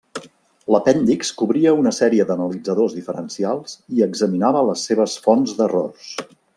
L'apèndix cobria una sèrie d'analitzadors diferencials i examinava les seves fonts d'errors.